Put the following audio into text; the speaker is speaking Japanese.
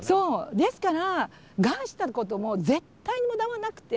ですからがんしたことも絶対に無駄はなくて。